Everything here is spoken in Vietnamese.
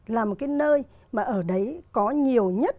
là một cái nơi mà ở đấy có nhiều nhất